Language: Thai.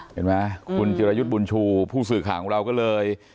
เห็นไหมคุณจิรายุทธ์บุญชูผู้สื่อข่าวของเราก็เลย